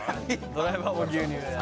「ドライバーも牛乳で」